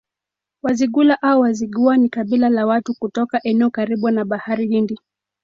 Wazigula au Wazigua ni kabila la watu kutoka eneo karibu na Bahari Hindi